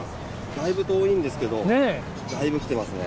だいぶ遠いんですけど、だいぶ来てますね。